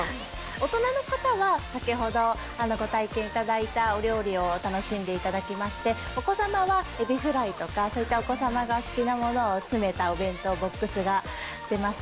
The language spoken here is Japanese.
大人の方は、先ほどご体験いただいたお料理を楽しんでいただきまして、お子様はエビフライとか、そういったお子様が好きなものを詰めたお弁当ボックスが出ます。